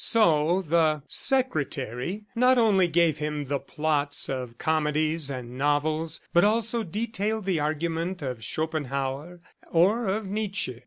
So the "secretary," not only gave him the plots of comedies and novels, but also detailed the argument of Schopenhauer or of Nietzsche